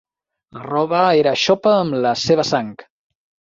La roba era xopa amb la seva sang.